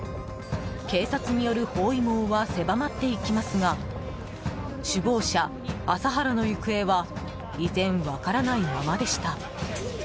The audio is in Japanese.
警察による包囲網は狭まっていきますが首謀者・麻原の行方は依然、分からないままでした。